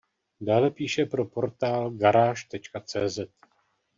Dále píše pro portál Garáž.cz.